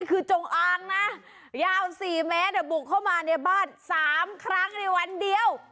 นี่คือจงอ้างนะยาวสี่แม่แต่บุกเข้ามาในบ้านสามครั้งในวันเดียว